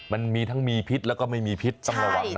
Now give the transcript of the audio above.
มันมีทั้งมีพิษแล้วก็ไม่มีพิษต้องระวังนะ